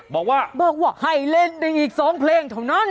บอกว่าบอกว่าให้เล่นได้อีก๒เพลงเท่านั้น